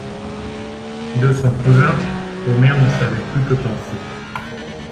De son cousin, Omer ne savait plus que penser.